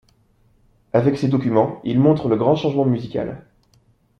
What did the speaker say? Avec ces documents, il montre le grand changement musical.